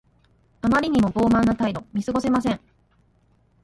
あまりにも傲慢な態度。見過ごせません。